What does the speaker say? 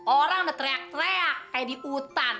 orang udah teriak teriak kayak di hutan